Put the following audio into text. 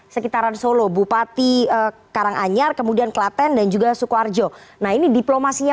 sekitaran solo bupati karanganyar kemudian klaten dan juga sukoharjo nah ini diplomasinya